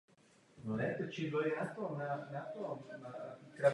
Osobně tak budu mít problém dokument v této podobě podpořit.